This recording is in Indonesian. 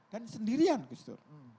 dan sendirian gus dur